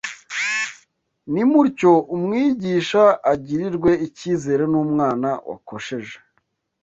Nimutyo umwigisha agirirwe icyizere n’umwana wakosheje